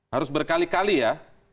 harus berkali kali ya